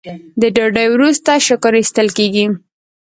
د ډوډۍ وروسته شکر ایستل کیږي.